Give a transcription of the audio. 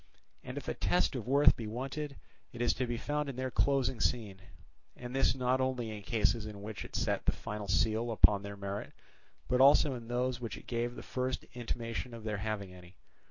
And if a test of worth be wanted, it is to be found in their closing scene, and this not only in cases in which it set the final seal upon their merit, but also in those in which it gave the first intimation of their having any.